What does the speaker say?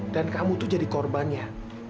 dan kamu itu jadi korbannya